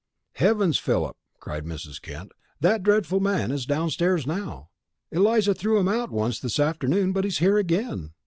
"Heavens, Philip!" cried Mrs. Kent. "That dreadful man is downstairs now! Eliza threw him out once this afternoon, but he's here again.